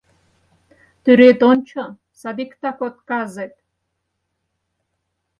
— Тӱред ончо, садиктак отказет.